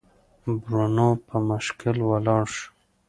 برونو په مشکل ولاړ شو.